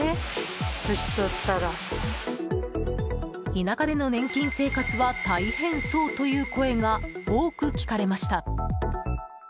田舎での年金生活は大変そうという声が多く聞かれました。